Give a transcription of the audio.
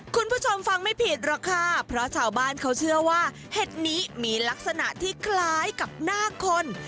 คุณผู้ชมฟังไม่ผิดหรอกค่ะเพราะชาวบ้านเขาเชื่อว่าเห็ดนี้มีลักษณะที่คล้ายกับหน้าคน